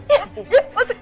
ya masuk masuk masuk